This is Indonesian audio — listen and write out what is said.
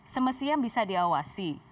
semestinya bisa diawasi